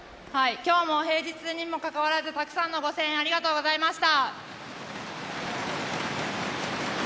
今日も平日にもかかわらずたくさんのご声援ありがとうございました。